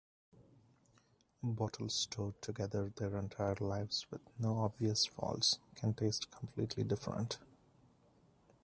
Bottles stored together their entire lives, with no obvious faults, can taste completely different.